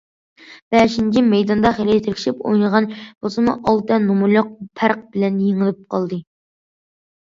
بەشىنچى مەيداندا خېلى تىركىشىپ ئوينىغان بولسىمۇ ئالتە نومۇرلۇق پەرق بىلەن يېڭىلىپ قالدى.